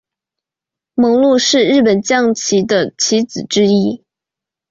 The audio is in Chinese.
猛鹿是日本将棋的棋子之一。